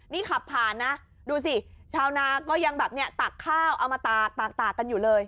นี่ขับผ่านนะดูสิชาวนาก็ยังแบบเนี่ยตากข้าวเอามาตากตากกันอยู่เลย